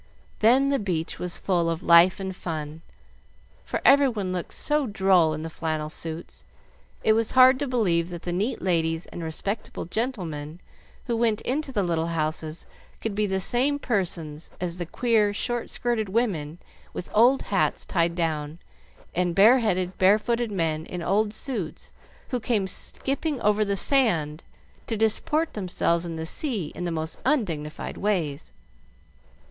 Then the beach was full of life and fun, for every one looked so droll in the flannel suits, it was hard to believe that the neat ladies and respectable gentlemen who went into the little houses could be the same persons as the queer, short skirted women with old hats tied down, and bareheaded, barefooted men in old suits, who came skipping over the sand to disport themselves in the sea in the most undignified ways.